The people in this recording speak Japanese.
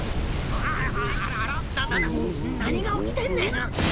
ななな何が起きてんねん！